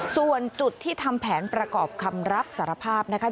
ส่วนจุดที่ทำแผนประกอบคำรับสารภาพนะคะ